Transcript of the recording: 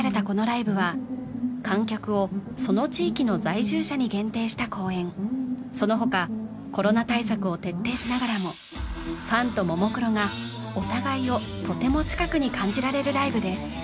このライブは観客をその地域の在住者に限定した公演その他コロナ対策を徹底しながらもファンとももクロがお互いをとても近くに感じられるライブです